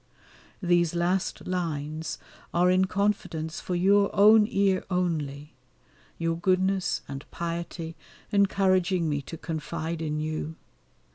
These last lines are in confidence for your own ear only, your goodness and piety encouraging me to confide in you.